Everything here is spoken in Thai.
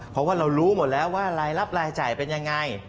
เพราะว่าเรารู้หมดแล้วว่ารายรับรายจ่ายเป็นยังไง